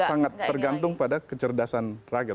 sangat tergantung pada kecerdasan rakyat